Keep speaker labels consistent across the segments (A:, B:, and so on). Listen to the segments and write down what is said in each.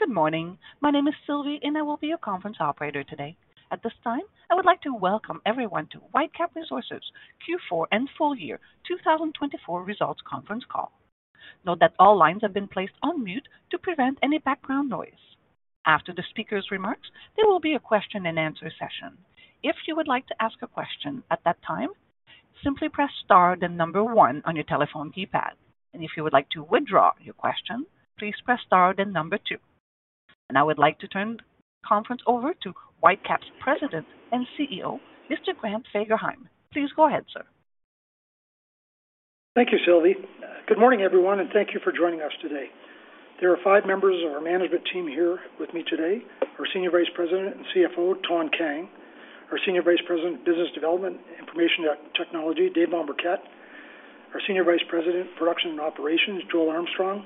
A: Good morning. My name is Sylvie, and I will be your conference operator today. At this time, I would like to welcome everyone to Whitecap Resources Q4 and full year 2024 results conference call. Note that all lines have been placed on mute to prevent any background noise. After the speaker's remarks, there will be a question-and-answer session. If you would like to ask a question at that time, simply press star then number one on your telephone keypad. And if you would like to withdraw your question, please press star then number two. And I would like to turn the conference over to Whitecap's President and CEO, Mr. Grant Fagerheim. Please go ahead, sir.
B: Thank you, Sylvie. Good morning, everyone, and thank you for joining us today. There are five members of our management team here with me today: our Senior Vice President and CFO, Thanh Kang; our Senior Vice President, Business Development and Information Technology, Dave Mombourquette; our Senior Vice President, Production and Operations, Joel Armstrong;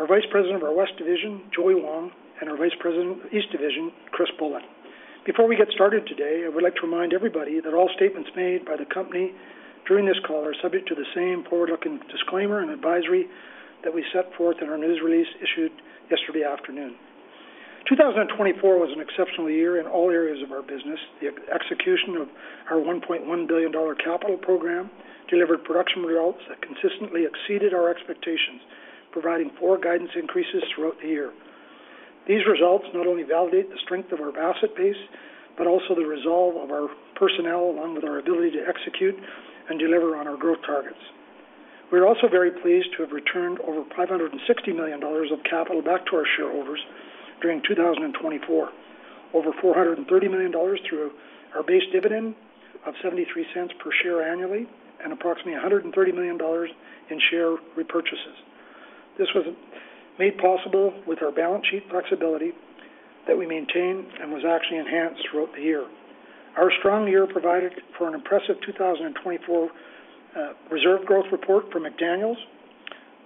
B: our Vice President of our West Division, Joey Wong; and our Vice President of the East Division, Chris Bullin. Before we get started today, I would like to remind everybody that all statements made by the company during this call are subject to the same forward-looking disclaimer and advisory that we set forth in our news release issued yesterday afternoon. 2024 was an exceptional year in all areas of our business. The execution of our 1.1 billion dollar capital program delivered production results that consistently exceeded our expectations, providing four guidance increases throughout the year. These results not only validate the strength of our asset base but also the resolve of our personnel, along with our ability to execute and deliver on our growth targets. We are also very pleased to have returned over 560 million dollars of capital back to our shareholders during 2024, over 430 million dollars through our base dividend of 0.73 per share annually and approximately 130 million dollars in share repurchases. This was made possible with our balance sheet flexibility that we maintained and was actually enhanced throughout the year. Our strong year provided for an impressive 2024 reserve growth report for McDaniel,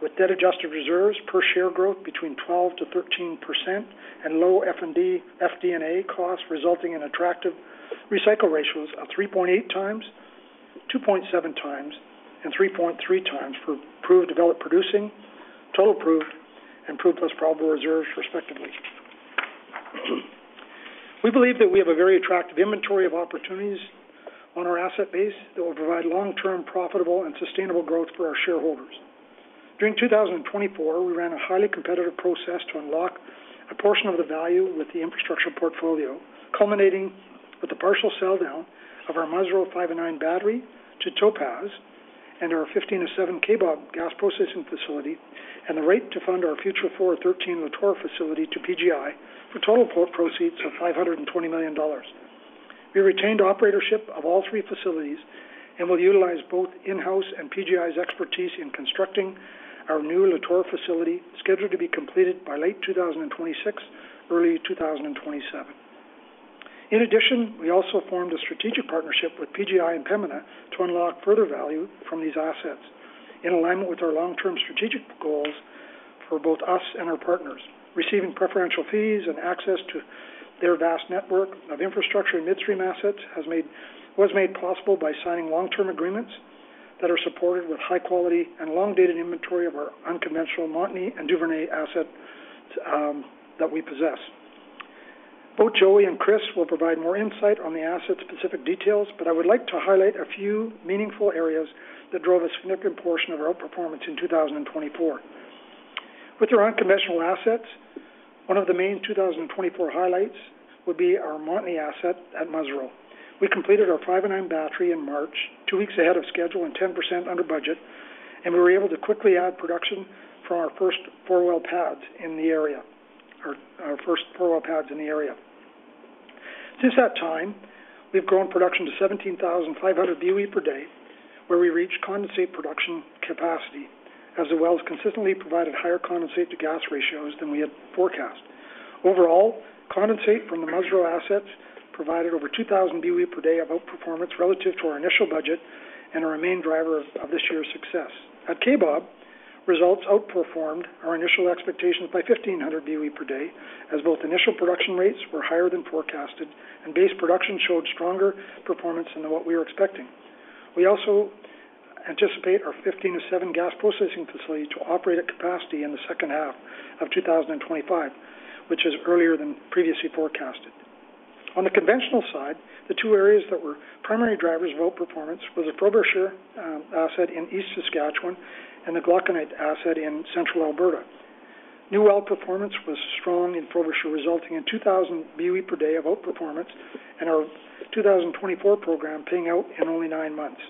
B: with debt-adjusted reserves per share growth between 12% to 13% and low F&D/FD&A costs resulting in attractive recycle ratios of 3.8 times, 2.7 times, and 3.3 times for proved developed producing, total proved, and proved less probable reserves, respectively. We believe that we have a very attractive inventory of opportunities on our asset base that will provide long-term profitable and sustainable growth for our shareholders. During 2024, we ran a highly competitive process to unlock a portion of the value with the infrastructure portfolio, culminating with a partial sell-down of our Musreau 5-09 battery to Topaz and our 15-07 Kaybob gas processing facility, and the right to fund our future 4-13 Lator facility to PGI for total proceeds of 520 million dollars. We retained operatorship of all three facilities and will utilize both in-house and PGI's expertise in constructing our new Lator facility, scheduled to be completed by late 2026, early 2027. In addition, we also formed a strategic partnership with PGI and Pembina to unlock further value from these assets, in alignment with our long-term strategic goals for both us and our partners. Receiving preferential fees and access to their vast network of infrastructure and midstream assets was made possible by signing long-term agreements that are supported with high-quality and long-dated inventory of our unconventional Montney and Duvernay assets that we possess. Both Joey and Chris will provide more insight on the asset-specific details, but I would like to highlight a few meaningful areas that drove a significant portion of our outperformance in 2024. With our unconventional assets, one of the main 2024 highlights would be our Montney asset at Musreau. We completed our 5-09 battery in March, two weeks ahead of schedule and 10% under budget, and we were able to quickly add production from our first four well pads in the area. Since that time, we've grown production to 17,500 BOE per day, where we reached condensate production capacity, as well as consistently provided higher condensate-to-gas ratios than we had forecast. Overall, condensate from the Musreau assets provided over 2,000 BOE per day of outperformance relative to our initial budget and a main driver of this year's success. At Kaybob, results outperformed our initial expectations by 1,500 BOE per day, as both initial production rates were higher than forecasted and base production showed stronger performance than what we were expecting. We also anticipate our 15-07 gas processing facility to operate at capacity in the second half of 2025, which is earlier than previously forecasted. On the conventional side, the two areas that were primary drivers of outperformance were the Frobisher asset in southeast Saskatchewan and the Glauconite asset in Central Alberta. New well performance was strong in Frobisher, resulting in 2,000 BOE per day of outperformance and our 2024 program paying out in only nine months.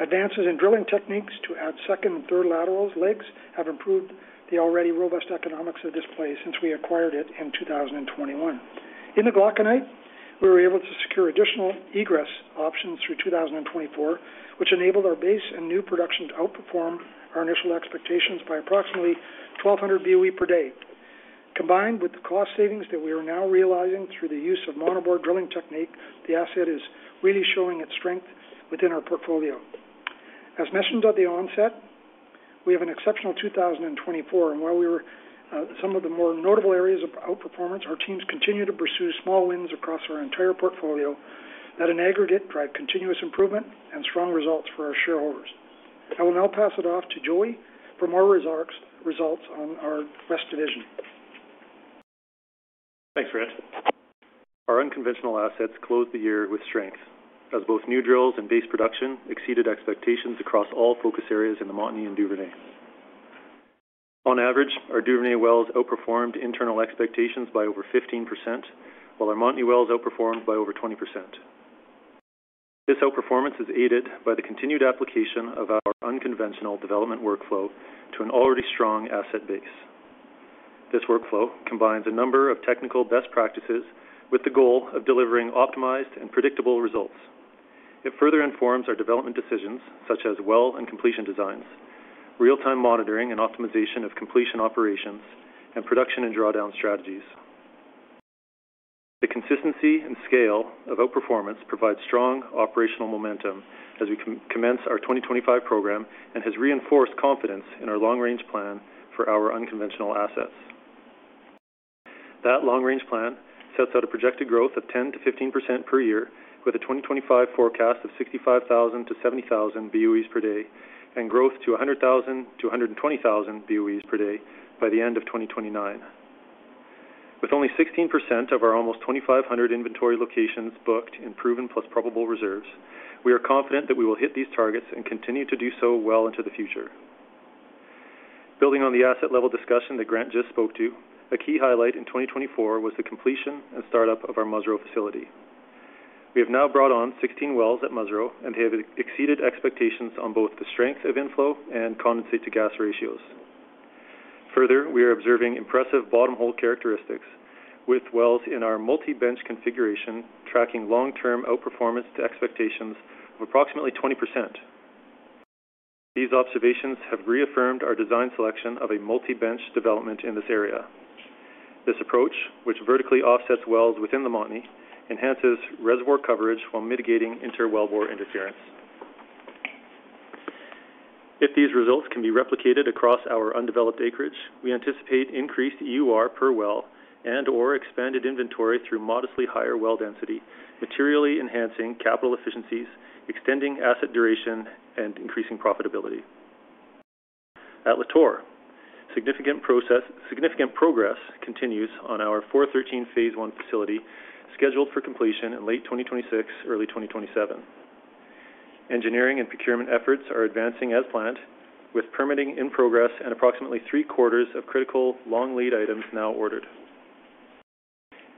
B: Advances in drilling techniques to add second and third laterals legs have improved the already robust economics of this place since we acquired it in 2021. In the Glauconite, we were able to secure additional egress options through 2024, which enabled our base and new production to outperform our initial expectations by approximately 1,200 BOE per day. Combined with the cost savings that we are now realizing through the use of monobore drilling technique, the asset is really showing its strength within our portfolio. As mentioned at the onset, we have an exceptional 2024, and while we were some of the more notable areas of outperformance, our teams continue to pursue small wins across our entire portfolio that, in aggregate, drive continuous improvement and strong results for our shareholders. I will now pass it off to Joey for more results on our West division.
C: Thanks, Grant. Our unconventional assets closed the year with strength, as both new drills and base production exceeded expectations across all focus areas in the Montney and Duvernay. On average, our Duvernay wells outperformed internal expectations by over 15%, while our Montney wells outperformed by over 20%. This outperformance is aided by the continued application of our unconventional development workflow to an already strong asset base. This workflow combines a number of technical best practices with the goal of delivering optimized and predictable results. It further informs our development decisions, such as well and completion designs, real-time monitoring and optimization of completion operations, and production and drawdown strategies. The consistency and scale of outperformance provide strong operational momentum as we commence our 2025 program and has reinforced confidence in our long-range plan for our unconventional assets. That long-range plan sets out a projected growth of 10%-15% per year, with a 2025 forecast of 65,000-70,000 BOEs per day and growth to 100,000-120,000 BOEs per day by the end of 2029. With only 16% of our almost 2,500 inventory locations booked in proven plus probable reserves, we are confident that we will hit these targets and continue to do so well into the future. Building on the asset-level discussion that Grant just spoke to, a key highlight in 2024 was the completion and startup of our Musreau facility. We have now brought on 16 wells at Musreau, and they have exceeded expectations on both the strength of inflow and condensate-to-gas ratios. Further, we are observing impressive bottom-hole characteristics with wells in our multi-bench configuration, tracking long-term outperformance to expectations of approximately 20%. These observations have reaffirmed our design selection of a multi-bench development in this area. This approach, which vertically offsets wells within the Montney, enhances reservoir coverage while mitigating interwell bore interference. If these results can be replicated across our undeveloped acreage, we anticipate increased EUR per well and/or expanded inventory through modestly higher well density, materially enhancing capital efficiencies, extending asset duration, and increasing profitability. At Lator, significant progress continues on our 4-13 phase I facility, scheduled for completion in late 2026, early 2027. Engineering and procurement efforts are advancing as planned, with permitting in progress and approximately three-quarters of critical long lead items now ordered.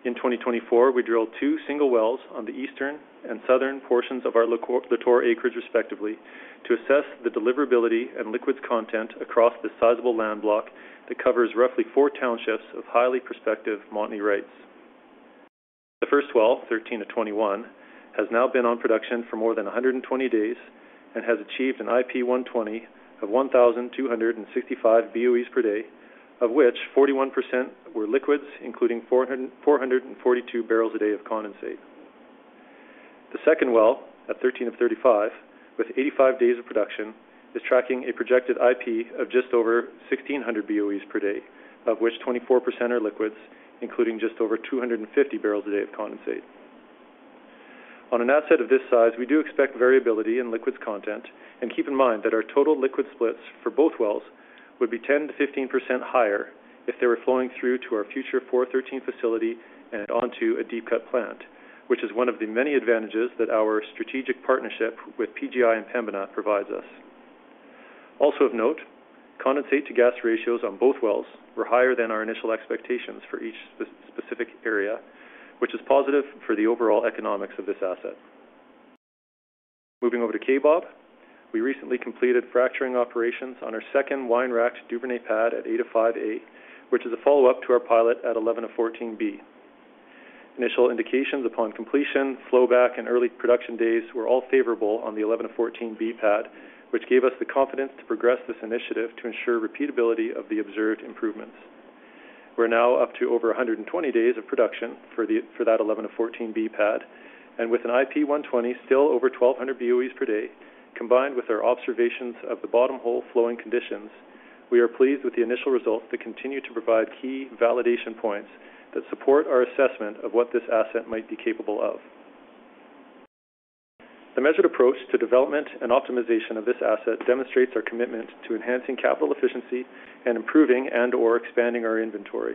C: In 2024, we drilled two single wells on the eastern and southern portions of our Lator acreage, respectively, to assess the deliverability and liquids content across this sizable land block that covers roughly four townships of highly prospective Montney rights. The first well, 12-20-13 to 20-21, has now been on production for more than 120 days and has achieved an IP 120 of 1,265 BOEs per day, of which 41% were liquids, including 442 bbl a day of condensate. The second well, at 13-03-35, with 85 days of production, is tracking a projected IP of just over 1,600 BoEs per day, of which 24% are liquids, including just over 250 bbl a day of condensate. On an asset of this size, we do expect variability in liquids content and keep in mind that our total liquid splits for both wells would be 10%-15% higher if they were flowing through to our future 4-13 facility and onto a deep cut plant, which is one of the many advantages that our strategic partnership with PGI and Pembina provides us. Also of note, condensate-to-gas ratios on both wells were higher than our initial expectations for each specific area, which is positive for the overall economics of this asset. Moving over to Kaybob, we recently completed fracturing operations on our second Winerack Duvernay pad at 8-5A, which is a follow-up to our pilot at 11-14B. Initial indications upon completion, flowback, and early production days were all favorable on the 11-14B pad, which gave us the confidence to progress this initiative to ensure repeatability of the observed improvements. We're now up to over 120 days of production for that 11-14B pad, and with an IP 120, still over 1,200 BOEs per day, combined with our observations of the bottom-hole flowing conditions, we are pleased with the initial results that continue to provide key validation points that support our assessment of what this asset might be capable of. The measured approach to development and optimization of this asset demonstrates our commitment to enhancing capital efficiency and improving and/or expanding our inventory.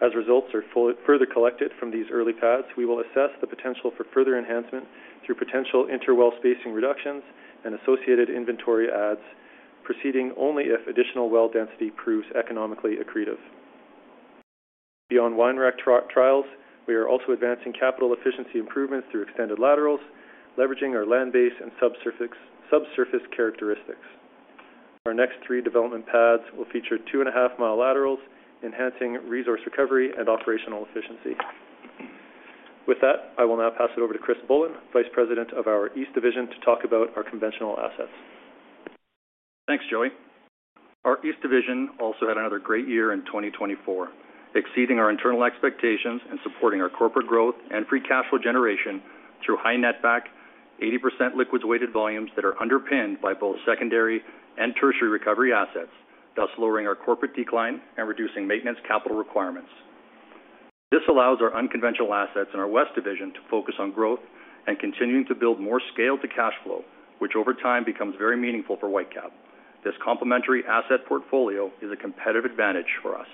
C: As results are further collected from these early pads, we will assess the potential for further enhancement through potential interwell spacing reductions and associated inventory adds, proceeding only if additional well density proves economically accretive. Beyond Winerack trials, we are also advancing capital efficiency improvements through extended laterals, leveraging our land base and subsurface characteristics. Our next three development pads will feature 2.5 mi laterals, enhancing resource recovery and operational efficiency. With that, I will now pass it over to Chris Bullin, Vice President, East Division, to talk about our conventional assets.
D: Thanks, Joey. Our East Division also had another great year in 2024, exceeding our internal expectations and supporting our corporate growth and free cash flow generation through high netback, 80% liquids-weighted volumes that are underpinned by both secondary and tertiary recovery assets, thus lowering our corporate decline and reducing maintenance capital requirements. This allows our unconventional assets in our West Division to focus on growth and continuing to build more scale to cash flow, which over time becomes very meaningful for Whitecap. This complementary asset portfolio is a competitive advantage for us.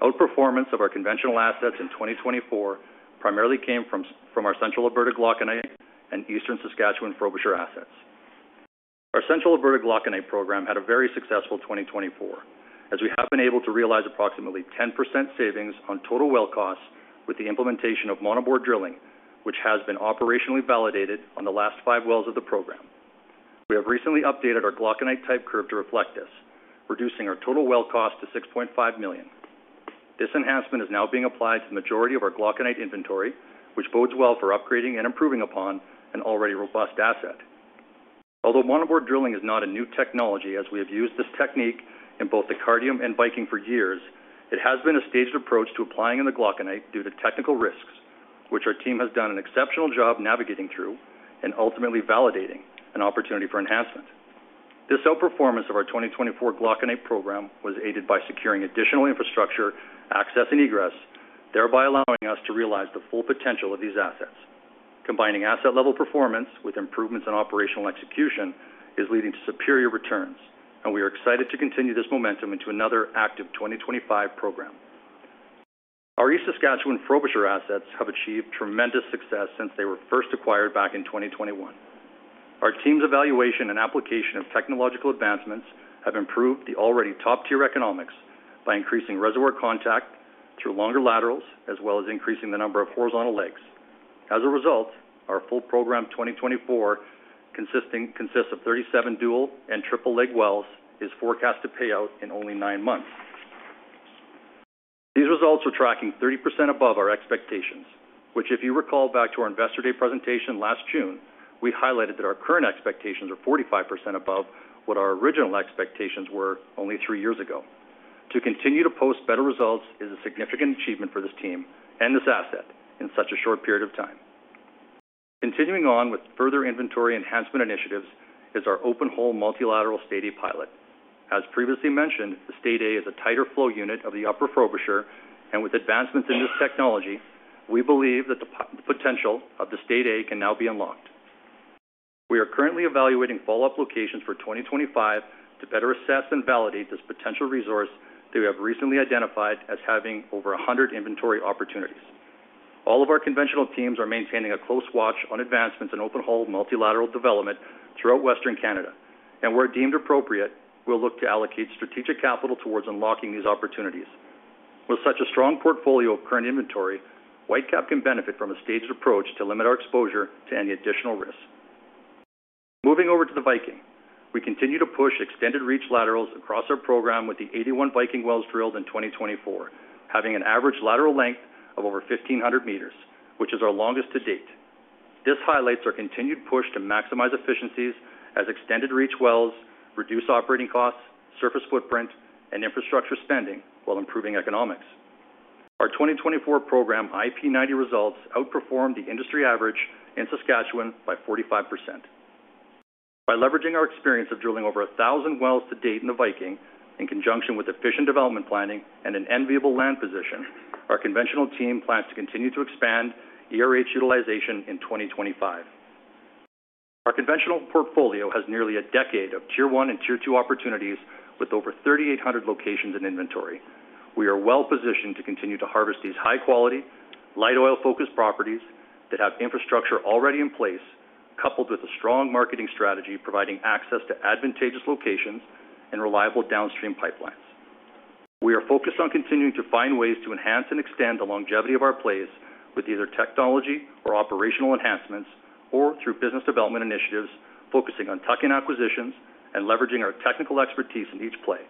D: Outperformance of our conventional assets in 2024 primarily came from our Central Alberta Glauconite and Eastern Saskatchewan Frobisher assets. Our Central Alberta Glauconite program had a very successful 2024, as we have been able to realize approximately 10% savings on total well costs with the implementation of monobore drilling, which has been operationally validated on the last five wells of the program. We have recently updated our Glauconite type curve to reflect this, reducing our total well cost to 6.5 million. This enhancement is now being applied to the majority of our Glauconite inventory, which bodes well for upgrading and improving upon an already robust asset. Although monobore drilling is not a new technology, as we have used this technique in both the Cardium and Viking for years, it has been a staged approach to applying in the Glauconite due to technical risks, which our team has done an exceptional job navigating through and ultimately validating an opportunity for enhancement. This outperformance of our 2024 Glauconite program was aided by securing additional infrastructure access and egress, thereby allowing us to realize the full potential of these assets. Combining asset-level performance with improvements in operational execution is leading to superior returns, and we are excited to continue this momentum into another active 2025 program. Our East Saskatchewan Frobisher assets have achieved tremendous success since they were first acquired back in 2021. Our team's evaluation and application of technological advancements have improved the already top-tier economics by increasing reservoir contact through longer laterals, as well as increasing the number of horizontal legs. As a result, our full program 2024, consisting of 37 dual and triple leg wells, is forecast to pay out in only nine months. These results are tracking 30% above our expectations, which, if you recall back to our investor day presentation last June, we highlighted that our current expectations are 45% above what our original expectations were only three years ago. To continue to post better results is a significant achievement for this team and this asset in such a short period of time. Continuing on with further inventory enhancement initiatives is our open hole multilateral State A pilot. As previously mentioned, the State A is a tighter flow unit of the upper Frobisher, and with advancements in this technology, we believe that the potential of the state A can now be unlocked. We are currently evaluating follow-up locations for 2025 to better assess and validate this potential resource that we have recently identified as having over 100 inventory opportunities. All of our conventional teams are maintaining a close watch on advancements in open hole multilateral development throughout Western Canada, and where deemed appropriate, we'll look to allocate strategic capital towards unlocking these opportunities. With such a strong portfolio of current inventory, Whitecap can benefit from a staged approach to limit our exposure to any additional risk. Moving over to the Viking, we continue to push extended reach laterals across our program with the 81 Viking wells drilled in 2024, having an average lateral length of over 1,500 meters, which is our longest to date. This highlights our continued push to maximize efficiencies as extended reach wells reduce operating costs, surface footprint, and infrastructure spending while improving economics. Our 2024 program IP 90 results outperformed the industry average in Saskatchewan by 45%. By leveraging our experience of drilling over 1,000 wells to date in the Viking, in conjunction with efficient development planning and an enviable land position, our conventional team plans to continue to expand ERH utilization in 2025. Our conventional portfolio has nearly a decade of Tier 1 and Tier 2 opportunities with over 3,800 locations in inventory. We are well positioned to continue to harvest these high-quality, light oil-focused properties that have infrastructure already in place, coupled with a strong marketing strategy providing access to advantageous locations and reliable downstream pipelines. We are focused on continuing to find ways to enhance and extend the longevity of our plays with either technology or operational enhancements or through business development initiatives focusing on tuck-in acquisitions and leveraging our technical expertise in each play.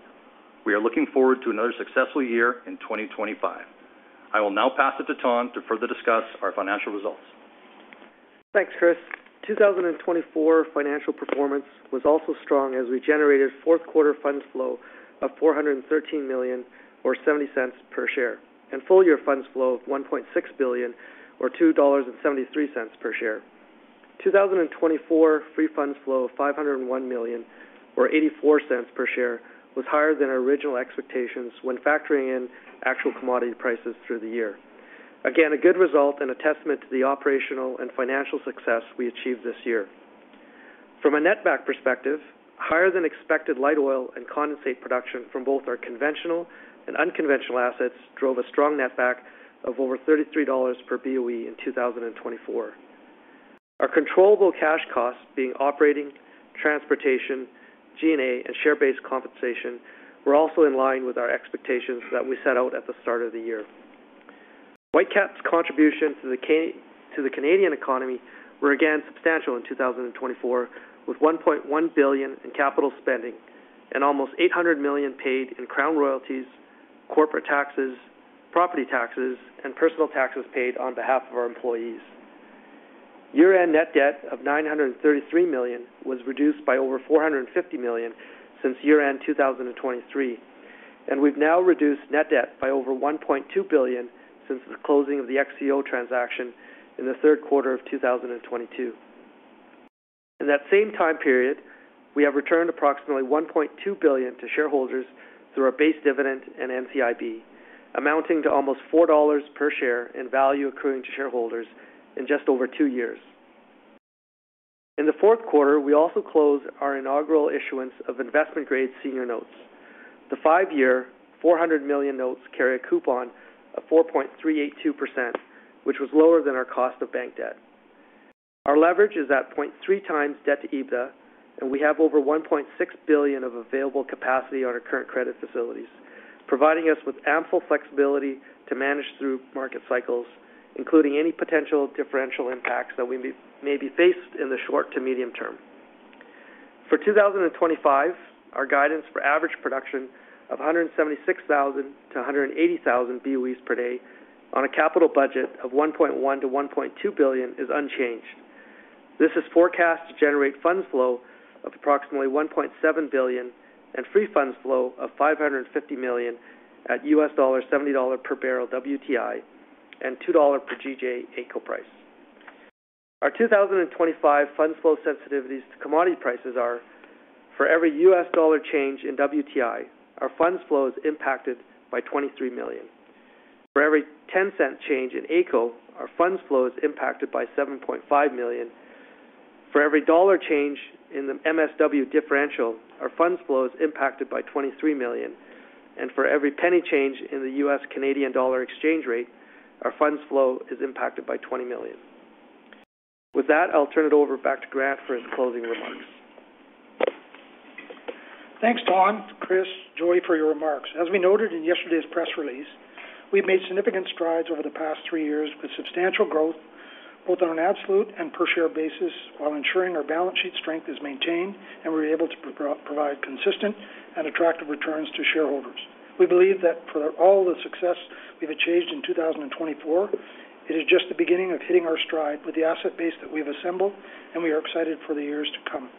D: We are looking forward to another successful year in 2025. I will now pass it to Thanh to further discuss our financial results.
E: Thanks, Chris. 2024 financial performance was also strong as we generated fourth quarter funds flow of 413 million or 0.70 per share and full year funds flow of 1.6 billion or $2.73 per share. 2024 free funds flow of 501 million or 0.84 per share was higher than our original expectations when factoring in actual commodity prices through the year. Again, a good result and a testament to the operational and financial success we achieved this year. From a netback perspective, higher than expected light oil and condensate production from both our conventional and unconventional assets drove a strong netback of over 33 dollars per BOE in 2024. Our controllable cash costs being operating, transportation, G&A, and share-based compensation were also in line with our expectations that we set out at the start of the year. Whitecap's contribution to the Canadian economy was again substantial in 2024, with 1.1 billion in capital spending and almost 800 million paid in Crown royalties, corporate taxes, property taxes, and personal taxes paid on behalf of our employees. Year-end net debt of 933 million was reduced by over 450 million since year-end 2023, and we've now reduced net debt by over 1.2 billion since the closing of the XTO transaction in the third quarter of 2022. In that same time period, we have returned approximately 1.2 billion to shareholders through our base dividend and NCIB, amounting to almost $4 per share in value accruing to shareholders in just over two years. In the fourth quarter, we also closed our inaugural issuance of investment-grade senior notes. The five-year 400 million notes carry a coupon of 4.382%, which was lower than our cost of bank debt. Our leverage is at 0.3 times debt to EBITDA, and we have over $1.6 billion of available capacity on our current credit facilities, providing us with ample flexibility to manage through market cycles, including any potential differential impacts that we may be faced in the short to medium term. For 2025, our guidance for average production of 176,000-180,000 BOEs per day on a capital budget of $1.1-$1.2 billion is unchanged. This is forecast to generate funds flow of approximately $1.7 billion and free funds flow of $550 million at $70 per barrel WTI and $2 per GJ AECO price. Our 2025 funds flow sensitivities to commodity prices are for every US dollar change in WTI, our funds flow is impacted by $23 million. For every 10 cent change in AECO, our funds flow is impacted by $7.5 million. For every dollar change in the MSW differential, our funds flow is impacted by 23 million. And for every penny change in the U.S. Canadian dollar exchange rate, our funds flow is impacted by 20 million. With that, I'll turn it over back to Grant for his closing remarks.
B: Thanks, Thanh, Chris, Joey, for your remarks. As we noted in yesterday's press release, we've made significant strides over the past three years with substantial growth both on an absolute and per share basis while ensuring our balance sheet strength is maintained and we're able to provide consistent and attractive returns to shareholders. We believe that for all the success we've achieved in 2024, it is just the beginning of hitting our stride with the asset base that we've assembled, and we are excited for the years to come.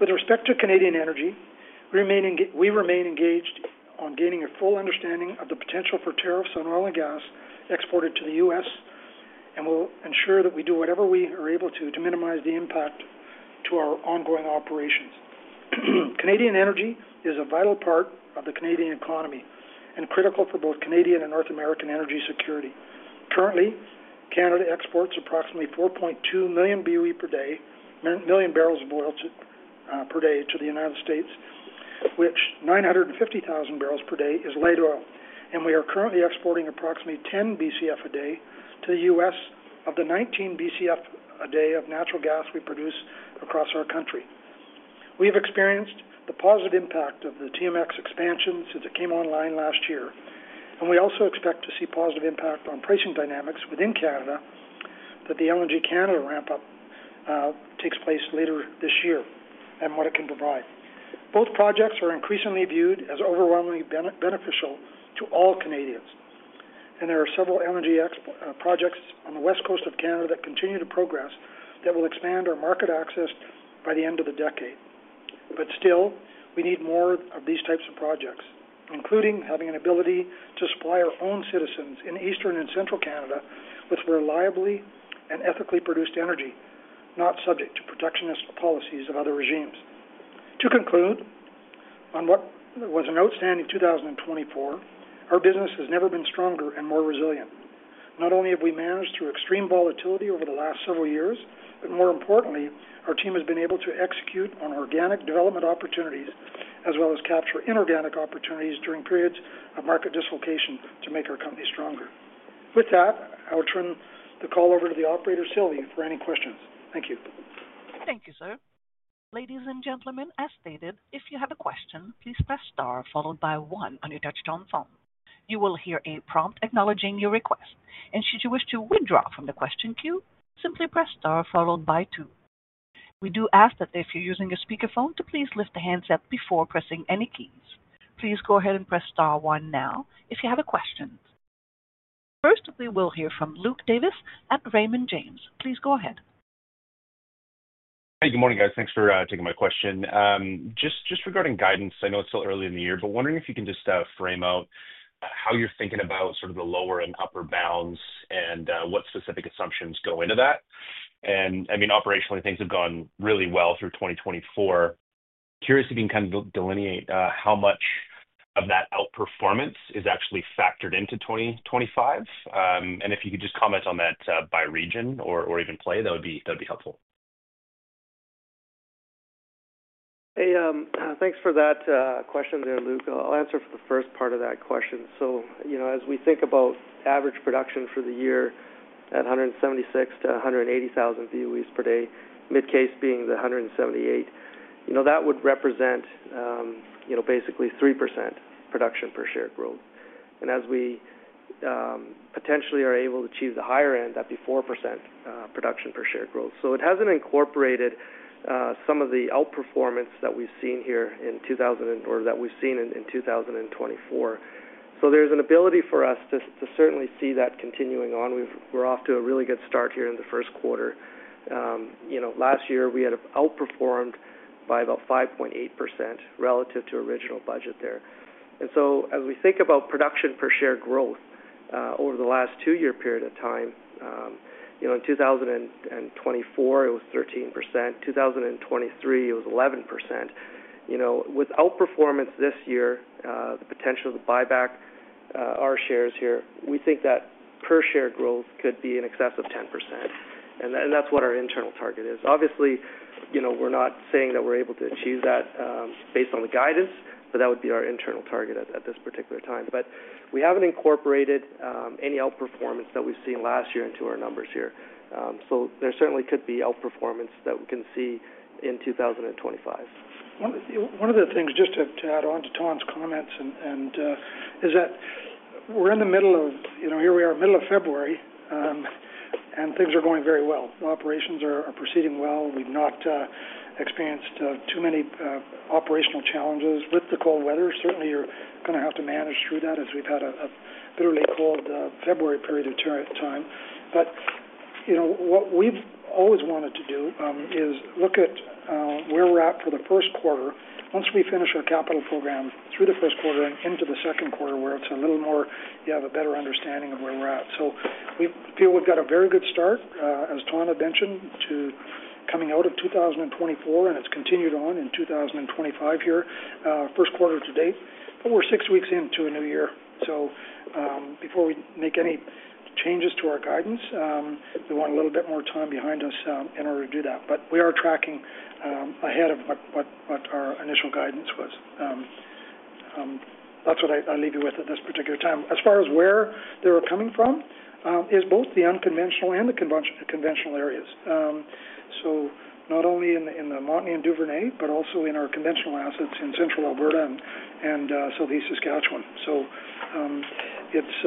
B: With respect to Canadian energy, we remain engaged on gaining a full understanding of the potential for tariffs on oil and gas exported to the U.S., and we'll ensure that we do whatever we are able to to minimize the impact to our ongoing operations. Canadian energy is a vital part of the Canadian economy and critical for both Canadian and North American energy security. Currently, Canada exports approximately 4.2 million BOE per day, million barrels of oil per day to the United States, which 950,000 bbl per day is light oil, and we are currently exporting approximately 10 BCF a day to the U.S. of the 19 BCF a day of natural gas we produce across our country. We have experienced the positive impact of the TMX expansion since it came online last year, and we also expect to see positive impact on pricing dynamics within Canada that the LNG Canada ramp-up takes place later this year and what it can provide. Both projects are increasingly viewed as overwhelmingly beneficial to all Canadians, and there are several LNG projects on the west coast of Canada that continue to progress that will expand our market access by the end of the decade. But still, we need more of these types of projects, including having an ability to supply our own citizens in Eastern and Central Canada with reliably and ethically produced energy, not subject to protectionist policies of other regimes. To conclude, on what was an outstanding 2024, our business has never been stronger and more resilient. Not only have we managed through extreme volatility over the last several years, but more importantly, our team has been able to execute on organic development opportunities as well as capture inorganic opportunities during periods of market dislocation to make our company stronger. With that, I'll turn the call over to the operator, Sylvie, for any questions. Thank you.
A: Thank you, sir. Ladies and gentlemen, as stated, if you have a question, please press star followed by one on your touch-tone phone. You will hear a prompt acknowledging your request, and should you wish to withdraw from the question queue, simply press star followed by two. We do ask that if you're using a speakerphone, to please lift the handset before pressing any keys. Please go ahead and press star one now if you have a question. First, we will hear from Luke Davis at Raymond James. Please go ahead.
F: Hey, good morning, guys. Thanks for taking my question. Just regarding guidance, I know it's still early in the year, but wondering if you can just frame out how you're thinking about sort of the lower and upper bounds and what specific assumptions go into that. And I mean, operationally, things have gone really well through 2024. Curious if you can kind of delineate how much of that outperformance is actually factored into 2025. And if you could just comment on that by region or even play, that would be helpful.
E: Hey, thanks for that question there, Luke. I'll answer for the first part of that question. So as we think about average production for the year at 176,000-180,000 BOEs per day, mid case being the 178,000, that would represent basically 3% production per share growth. And as we potentially are able to achieve the higher end, that'd be 4% production per share growth. So it hasn't incorporated some of the outperformance that we've seen here in 2023 or that we've seen in 2024. So there's an ability for us to certainly see that continuing on. We're off to a really good start here in the first quarter. Last year, we had outperformed by about 5.8% relative to original budget there. And so as we think about production per share growth over the last two-year period of time, in 2024, it was 13%. 2023, it was 11%. With outperformance this year, the potential to buy back our shares here, we think that per share growth could be in excess of 10%. And that's what our internal target is. Obviously, we're not saying that we're able to achieve that based on the guidance, but that would be our internal target at this particular time. But we haven't incorporated any outperformance that we've seen last year into our numbers here. So there certainly could be outperformance that we can see in 2025.
B: One of the things just to add on to Thanh's comments is that we're in the middle of February, and things are going very well. Operations are proceeding well. We've not experienced too many operational challenges with the cold weather. Certainly, you're going to have to manage through that as we've had a bitterly cold February period of time. But what we've always wanted to do is look at where we're at for the first quarter once we finish our capital program through the first quarter and into the second quarter where it's a little more, you have a better understanding of where we're at. So we feel we've got a very good start, as Thanh had mentioned, to coming out of 2024, and it's continued on in 2025 here, first quarter to date. But we're six weeks into a new year. So before we make any changes to our guidance, we want a little bit more time behind us in order to do that. But we are tracking ahead of what our initial guidance was. That's what I leave you with at this particular time. As far as where they're coming from, it's both the unconventional and the conventional areas. So not only in the Montney and Duvernay, but also in our conventional assets in Central Alberta and Southeast Saskatchewan. So it's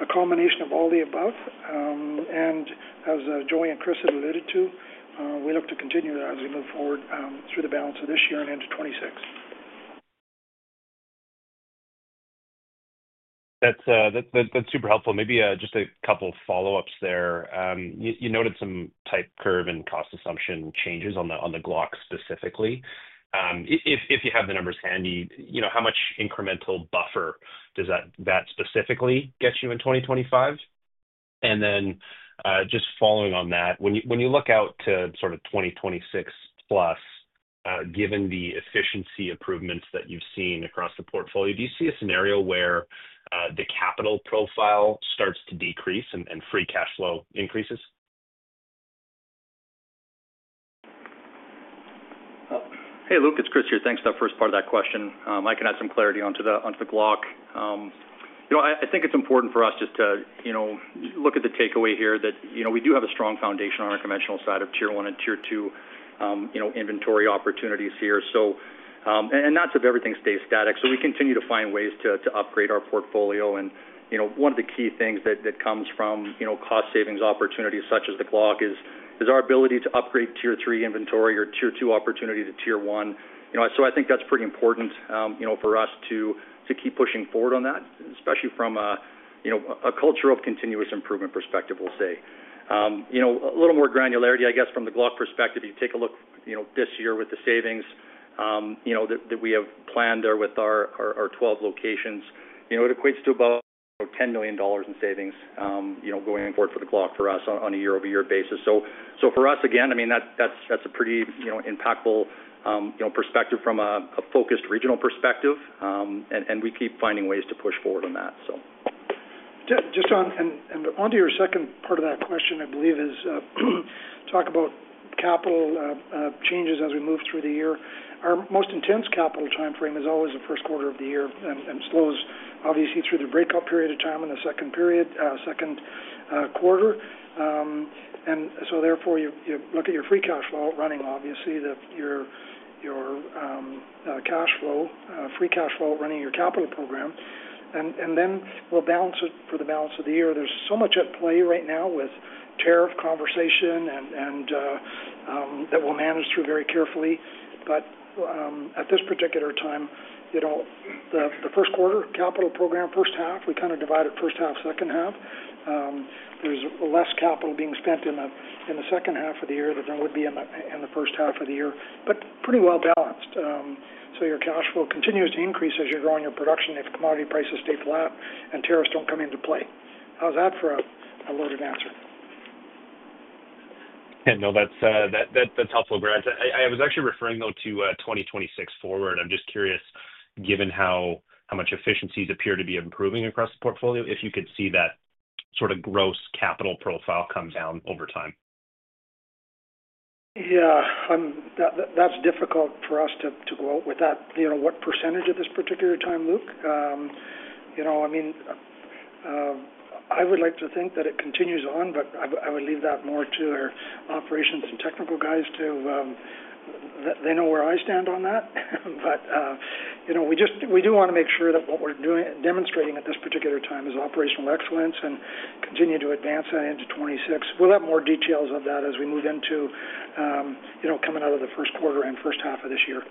B: a combination of all the above. And as Joey and Chris had alluded to, we look to continue that as we move forward through the balance of this year and into 2026.
F: That's super helpful. Maybe just a couple of follow-ups there. You noted some type curve and cost assumption changes on the Glauconite specifically. If you have the numbers handy, how much incremental buffer does that specifically get you in 2025? And then just following on that, when you look out to sort of 2026 plus, given the efficiency improvements that you've seen across the portfolio, do you see a scenario where the capital profile starts to decrease and free cash flow increases?
D: Hey, Luke, it's Chris here. Thanks for that first part of that question. I can add some clarity onto the Glauconite. I think it's important for us just to look at the takeaway here that we do have a strong foundation on our conventional side of Tier 1 and Tier 2 inventory opportunities here. And not so that everything stays static. We continue to find ways to upgrade our portfolio. And one of the key things that comes from cost savings opportunities such as the Glauconite is our ability to upgrade tier three inventory or tier two opportunity to tier one. So I think that's pretty important for us to keep pushing forward on that, especially from a cultural continuous improvement perspective, we'll say. A little more granularity, I guess, from the Glauconite perspective. You take a look this year with the savings that we have planned there with our 12 locations. It equates to about 10 million dollars in savings going forward for the Glauconite for us on a year-over-year basis. So for us, again, I mean, that's a pretty impactful perspective from a focused regional perspective, and we keep finding ways to push forward on that, so.
B: Just on to your second part of that question, I believe, is talk about capital changes as we move through the year. Our most intense capital timeframe is always the first quarter of the year and slows obviously through the breakout period of time in the second quarter. And so therefore, you look at your free cash flow running your capital program. And then we'll balance it for the balance of the year. There's so much at play right now with tariff conversation that we'll manage through very carefully. But at this particular time, the first quarter capital program, first half, we kind of divide it first half, second half. There's less capital being spent in the second half of the year than there would be in the first half of the year, but pretty well balanced. So your cash flow continues to increase as you're growing your production if commodity prices stay flat and tariffs don't come into play. How's that for a loaded answer?
F: Yeah, no, that's helpful, Grant. I was actually referring, though, to 2026 forward. I'm just curious, given how much efficiencies appear to be improving across the portfolio, if you could see that sort of gross capital profile come down over time.
B: Yeah, that's difficult for us to go out with that. What percentage of this particular time, Luke? I mean, I would like to think that it continues on, but I would leave that more to our operations and technical guys too. They know where I stand on that, but we do want to make sure that what we're demonstrating at this particular time is operational excellence and continue to advance that into 2026. We'll have more details of that as we move into coming out of the first quarter and first half of this year.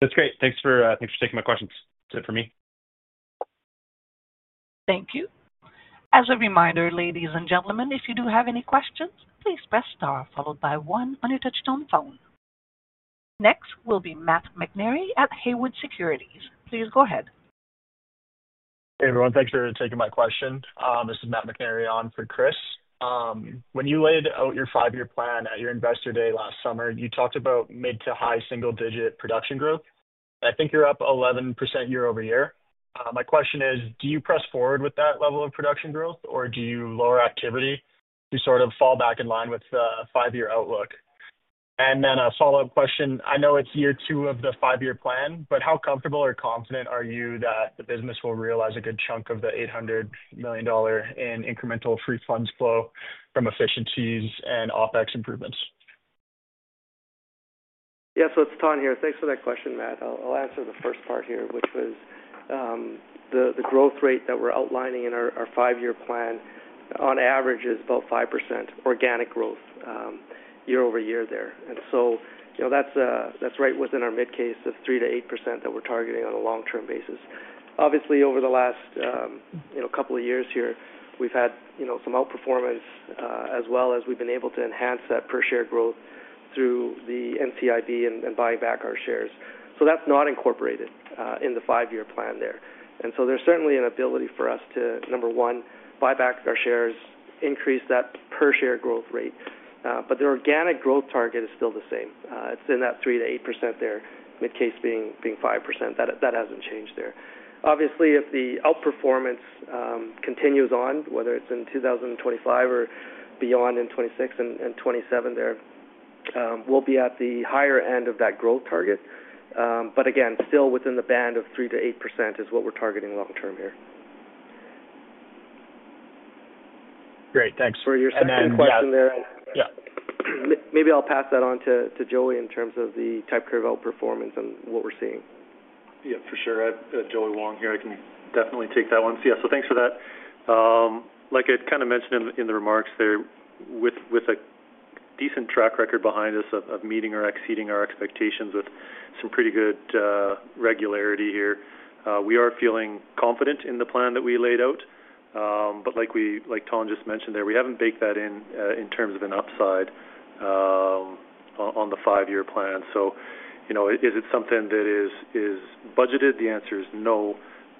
F: That's great. Thanks for taking my questions for me.
A: Thank you. As a reminder, ladies and gentlemen, if you do have any questions, please press star followed by one on your touch-tone phone. Next will be Matt McNary at Haywood Securities. Please go ahead.
G: Hey, everyone. Thanks for taking my question. This is Matt McNary on for Chris. When you laid out your five-year plan at your investor day last summer, you talked about mid to high single-digit production growth. I think you're up 11% year-over-year. My question is, do you press forward with that level of production growth, or do you lower activity to sort of fall back in line with the five-year outlook? And then a follow-up question. I know it's year two of the five-year plan, but how comfortable or confident are you that the business will realize a good chunk of the $800 million in incremental free funds flow from efficiencies and OpEx improvements?
E: Yeah, so it's Thanh here. Thanks for that question, Matt. I'll answer the first part here, which was the growth rate that we're outlining in our five-year plan, on average, is about 5% organic growth year-over-year there. And so that's right within our mid case of 3%-8% that we're targeting on a long-term basis. Obviously, over the last couple of years here, we've had some outperformance as well as we've been able to enhance that per share growth through the NCIB and buying back our shares. So that's not incorporated in the five-year plan there. And so there's certainly an ability for us to, number one, buy back our shares, increase that per share growth rate. But the organic growth target is still the same. It's in that 3%-8% there, mid case being 5%. That hasn't changed there. Obviously, if the outperformance continues on, whether it's in 2025 or beyond in 2026 and 2027 there, we'll be at the higher end of that growth target, but again, still within the band of 3%-8% is what we're targeting long-term here.
G: Great. Thanks.
E: For your second question there, maybe I'll pass that on to Joey in terms of the type curve outperformance and what we're seeing.
C: Yeah, for sure. Joey Wong here. I can definitely take that one. So yeah, so thanks for that. Like I kind of mentioned in the remarks there, with a decent track record behind us of meeting or exceeding our expectations with some pretty good regularity here, we are feeling confident in the plan that we laid out. But like Thanh just mentioned there, we haven't baked that in in terms of an upside on the five-year plan. So is it something that is budgeted? The answer is no.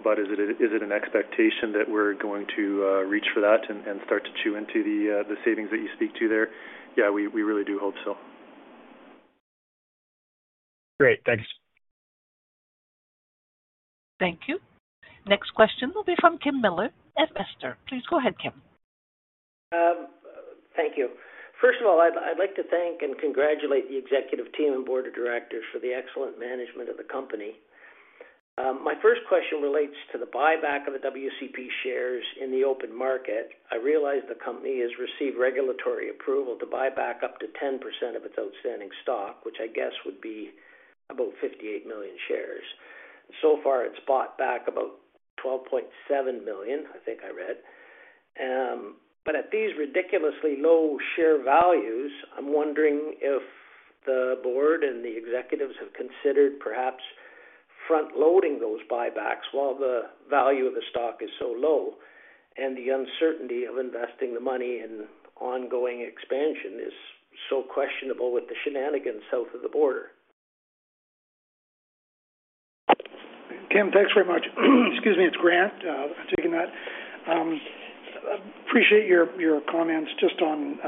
C: But is it an expectation that we're going to reach for that and start to chew into the savings that you speak to there? Yeah, we really do hope so.
G: Great. Thanks.
A: Thank you. Next question will be from Kim Miller, investor. Please go ahead, Kim.
H: Thank you. First of all, I'd like to thank and congratulate the executive team and board of directors for the excellent management of the company. My first question relates to the buyback of the WCP shares in the open market. I realize the company has received regulatory approval to buy back up to 10% of its outstanding stock, which I guess would be about 58 million shares. So far, it's bought back about 12.7 million, I think I read. But at these ridiculously low share values, I'm wondering if the board and the executives have considered perhaps front-loading those buybacks while the value of the stock is so low and the uncertainty of investing the money in ongoing expansion is so questionable with the shenanigans south of the border.
B: Kim, thanks very much. Excuse me, it's Grant taking that. I appreciate your comments just on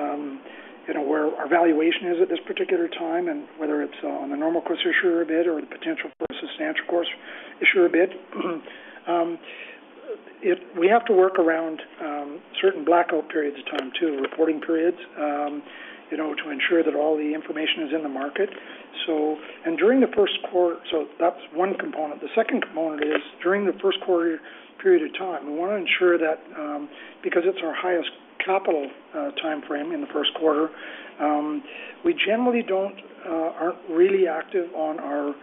B: where our valuation is at this particular time and whether it's on the normal course issuer bid or the potential for a substantial issuer bid. We have to work around certain blackout periods of time too, reporting periods, to ensure that all the information is in the market. During the first quarter, so that's one component. The second component is during the first quarter period of time, we want to ensure that because it's our highest capital timeframe in the first quarter, we generally aren't really active on our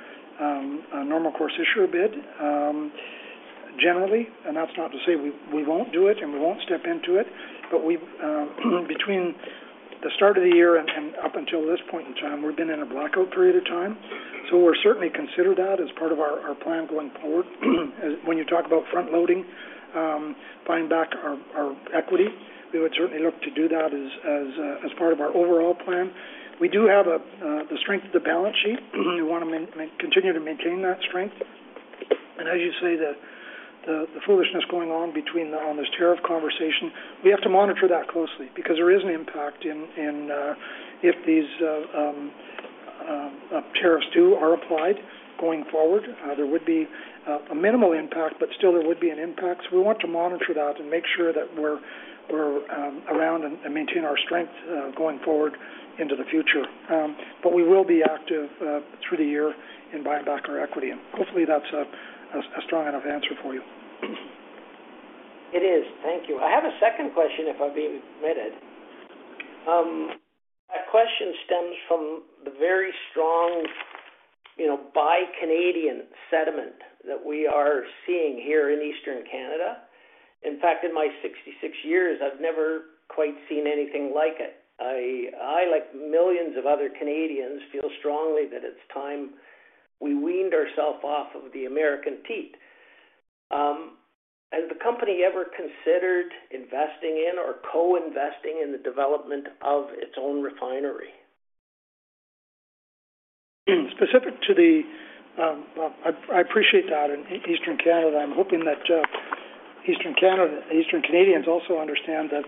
B: normal course issuer bid. Generally, and that's not to say we won't do it and we won't step into it. Between the start of the year and up until this point in time, we've been in a blackout period of time. So we're certainly considering that as part of our plan going forward. When you talk about front-loading, buying back our equity, we would certainly look to do that as part of our overall plan. We do have the strength of the balance sheet. We want to continue to maintain that strength. And as you say, the foolishness going on between on this tariff conversation, we have to monitor that closely because there is an impact and if these tariffs are applied going forward. There would be a minimal impact, but still there would be an impact. So we want to monitor that and make sure that we're sound and maintain our strength going forward into the future. But we will be active through the year in buying back our equity. And hopefully, that's a strong enough answer for you.
H: It is. Thank you. I have a second question, if I'm being admitted. That question stems from the very strong buy Canadian sentiment that we are seeing here in Eastern Canada. In fact, in my 66 years, I've never quite seen anything like it. I, like millions of other Canadians, feel strongly that it's time we weaned ourself off of the American teat. Has the company ever considered investing in or co-investing in the development of its own refinery?
B: Specific to that, I appreciate that in Eastern Canada. I'm hoping that Eastern Canadians also understand the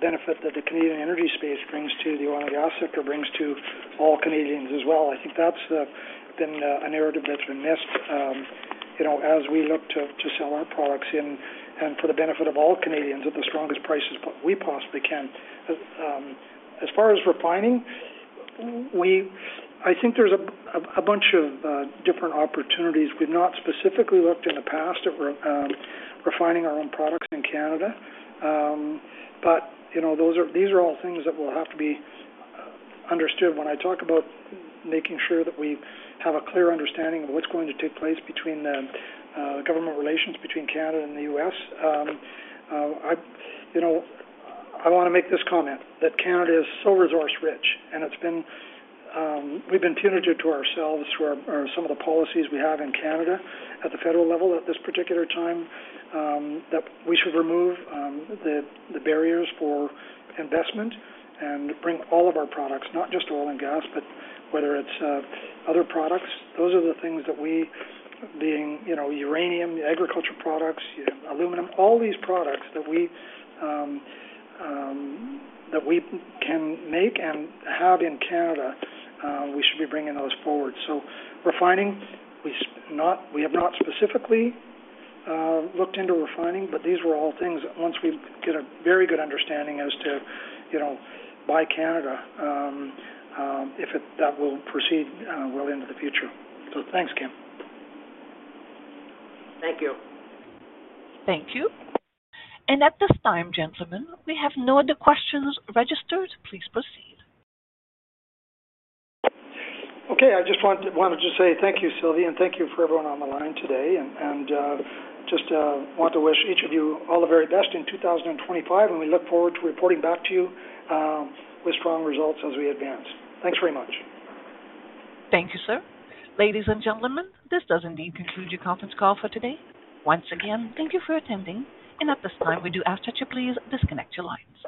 B: benefit that the Canadian energy space brings to the oil and gas sector, brings to all Canadians as well. I think that's been a narrative that's been missed as we look to sell our products in and for the benefit of all Canadians at the strongest prices we possibly can. As far as refining, I think there's a bunch of different opportunities. We've not specifically looked in the past at refining our own products in Canada, but these are all things that will have to be understood. When I talk about making sure that we have a clear understanding of what's going to take place between the government relations between Canada and the U.S., I want to make this comment that Canada is so resource-rich, and we've been punitive to ourselves through some of the policies we have in Canada at the federal level at this particular time that we should remove the barriers for investment and bring all of our products, not just oil and gas, but whether it's other products. Those are the things that we, being uranium, agriculture products, aluminum, all these products that we can make and have in Canada, we should be bringing those forward. Refining, we have not specifically looked into refining, but these were all things once we get a very good understanding as to Buy Canada, if that will proceed well into the future. Thanks, Kim.
H: Thank you.
A: Thank you. And at this time, gentlemen, we have no other questions registered. Please proceed.
B: Okay. I just wanted to say thank you, Sylvie, and thank you to everyone on the line today, and just want to wish each of you all the very best in 2025, and we look forward to reporting back to you with strong results as we advance. Thanks very much.
A: Thank you, sir. Ladies and gentlemen, this does indeed conclude your conference call for today. Once again, thank you for attending. And at this time, we do ask that you please disconnect your lines.